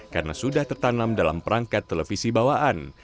karena sudah tertanam dalam perangkat televisi bawaan